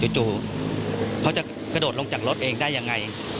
จู่เขาจะกระโดดลงจากรถเองได้ยังไง